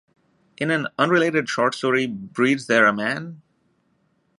In an unrelated short story Breeds There a Man...?